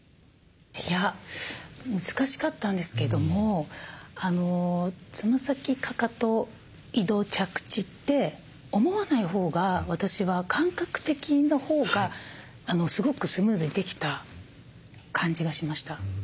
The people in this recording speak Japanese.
難しかったんですけどもつま先かかと移動着地って思わないほうが私は感覚的なほうがすごくスムーズにできた感じがしました。